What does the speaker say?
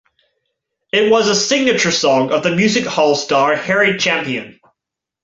It was a signature song of the music hall star Harry Champion.